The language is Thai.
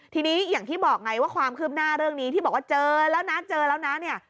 ทีนี้อย่างที่บอกไงว่าความคืบหน้าเรื่องนี้ที่บอกว่าเจอแล้วนะเจอแล้วนะเนี่ย